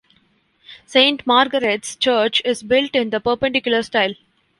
Saint Margaret's Church is built in the Perpendicular style.